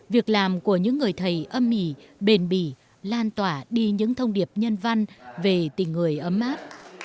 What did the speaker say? việc làm của những người thầy âm mỉ bền bỉ lan tỏa đi những thông điệp nhân văn về tình người ấm áp